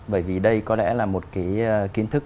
bởi vì đây có lẽ là một kiến thức